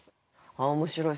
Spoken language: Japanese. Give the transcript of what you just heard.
面白い。